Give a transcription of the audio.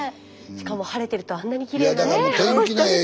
しかも晴れてるとあんなにきれいなんですね。